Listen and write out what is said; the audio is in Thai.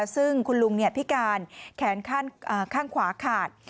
ซึ่งคุณลุงพิการแขนข้างขวาขาด